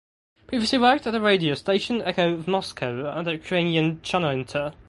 Previously worked at the radio station Echo of Moscow and the Ukrainian channel Inter.